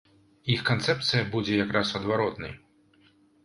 Іх канцэпцыя будзе як раз адваротнай.